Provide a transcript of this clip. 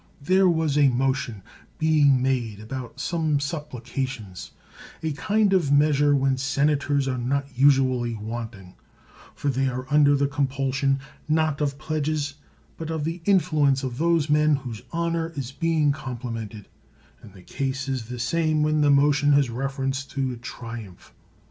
There was a motion being made about some supplications — a kind of measure when senators are not usually wanting ; for they are under the compulsion, not of pledges, but of the influence of those men whose honor is being complimented; and the case is the same when the motion has reference to a triumph.